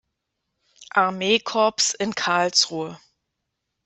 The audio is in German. Armeekorps in Karlsruhe.